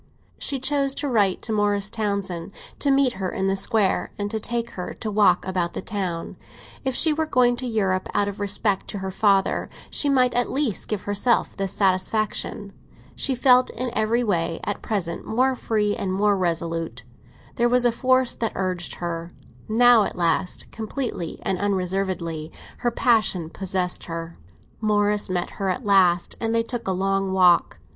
She chose to write to Morris Townsend to meet her in the Square and take her to walk about the town. If she were going to Europe out of respect to her father, she might at least give herself this satisfaction. She felt in every way at present more free and more resolute; there was a force that urged her. Now at last, completely and unreservedly, her passion possessed her. Morris met her at last, and they took a long walk.